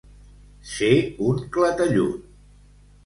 Ser un clatellut.